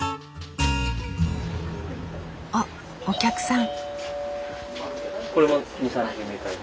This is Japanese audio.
おっお客さん。